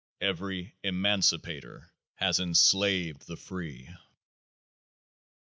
Every " emancipator " has enslaved the free.